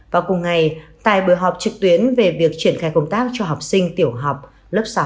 vào cùng ngày tại bữa học trực tuyến về việc triển khai công tác cho học sinh tiểu học lớp sáu